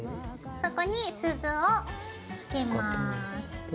そこに鈴を付けます。